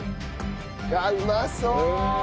うわあうまそう！